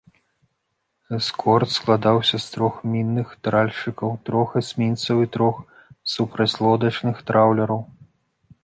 Эскорт складаўся з трох мінных тральшчыкаў, трох эсмінцаў і трох супрацьлодачных траўлераў.